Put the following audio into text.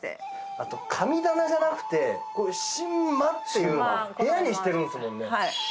あと神棚じゃなくて神間っていう部屋にしてるんですもんね？